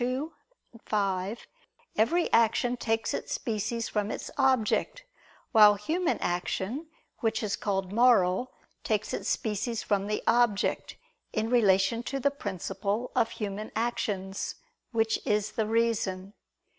2, 5), every action takes its species from its object; while human action, which is called moral, takes its species from the object, in relation to the principle of human actions, which is the reason.